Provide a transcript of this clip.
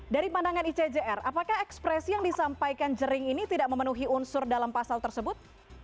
dari pandangan icjr apakah ekspresi yang disampaikan jering ini tidak memenuhi unsur dalam pasal tersebut